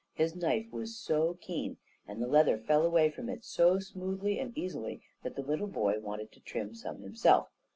His knife was so keen, and the leather fell away from it so smoothly and easily, that the little boy wanted to trim some himself.